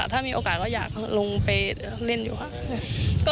ถ้ามีโอกาสก็อยากลงไปเล่นอยู่ครับ